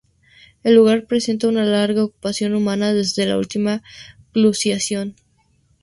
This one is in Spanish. El lugar presenta una larga ocupación humana desde la última glaciación.